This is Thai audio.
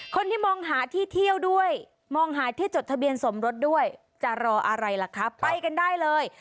คนที่มองหาที่เที่ยวด้วยมองหาที่จดทะเบียนสมรสด้วยจะรออะไรล่ะคะไปกันได้เลย